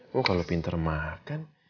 wah kalau pinter makan